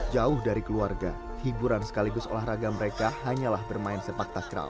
jauh dari keluarga hiburan sekaligus olahraga mereka hanyalah bermain sepak takral